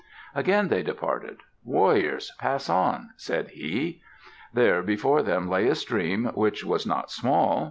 Again they departed. "Warriors, pass on!" said he. There before them lay a stream, which was not small.